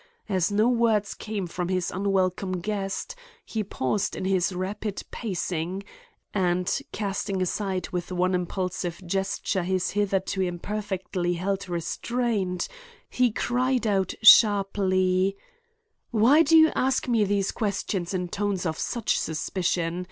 As no word came from his unwelcome guest, he paused in his rapid pacing and, casting aside with one impulsive gesture his hitherto imperfectly held restraint, he cried out sharply: "Why do you ask me these questions in tones of such suspicion?